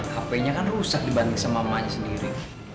hape nya kan rusak dibanding sama mamanya sendiri